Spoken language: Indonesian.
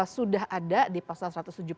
sudah ada di pasal satu ratus tujuh puluh